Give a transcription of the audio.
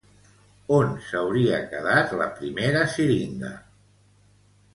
On s'hauria quedat la primera siringa?